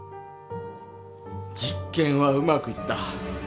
実験はうまくいった。